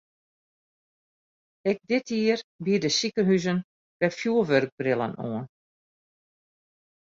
Ek dit jier biede sikehuzen wer fjurwurkbrillen oan.